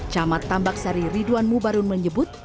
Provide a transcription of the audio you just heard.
camat tambak sari ridwan mubarun menyebut